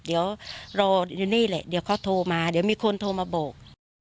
เดี๋ยวรออยู่นี่แหละเดี๋ยวเขาโทรมาเดี๋ยวมีคนโทรมาบอก